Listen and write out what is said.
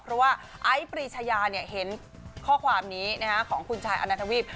เพราะว่าไอ้ปรีชายาเห็นข้อความนี้ของคุณชายอนาทวีป